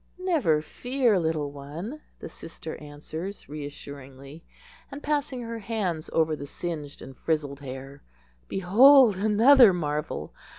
"Never fear, little one," the sister answers reassuringly, and, passing her hands over the singed and frizzled hair, behold another marvel!